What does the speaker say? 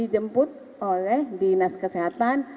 jemput oleh dinas kesehatan